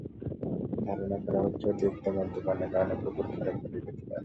ধারণা করা হচ্ছে, অতিরিক্ত মদ্যপান করার কারণে পুকুরে পড়ে যেতে পারেন।